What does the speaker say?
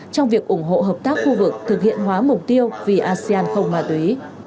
trong việc ủng hộ hợp tác khu vực thực hiện hóa mục tiêu vì asean không ma túy